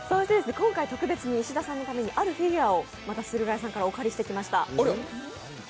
石田さんのためにあるフィギュアを駿河屋さんからお借りしてきました。